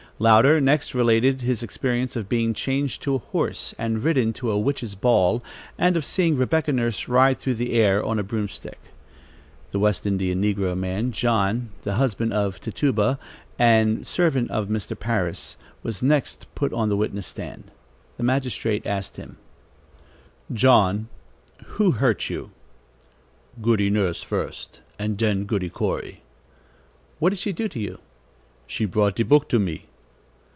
Louder next related his experience of being changed to a horse and ridden to a witches' ball, and of seeing Rebecca Nurse ride through the air on a broomstick. The West Indian negro man John, the husband of Tituba and servant of Mr. Parris, was next put on the witness stand. The magistrate asked him: "John, who hurt you?" "Goody Nurse first, and den Goody Corey." "What did she do to you?" "She brought de book to me."